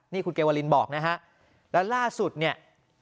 นี่คุณเกวลินบอกนะฮะแล้วล่าสุดเนี่ย